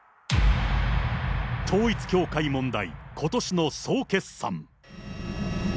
統一教会問題、ことしの総決算。